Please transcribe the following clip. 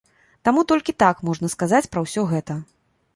Таму толькі так можна сказаць пра ўсё гэта.